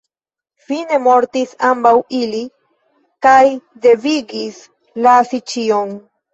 Fine mortis ambaŭ ili, kaj devigis lasi ĉion.